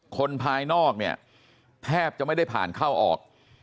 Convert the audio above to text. คนภายนอกเนี่ยแทบจะไม่ได้ผ่านเข้าออก